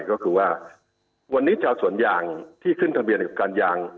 ก็คือว่าวันนี้ชาวสวนยางที่ขึ้นทะเบียนกับการยาง